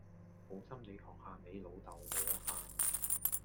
好心你學下你老豆我呀